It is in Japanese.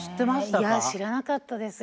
いや知らなかったですよ。